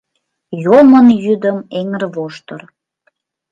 Йомын йӱдым эҥырвоштыр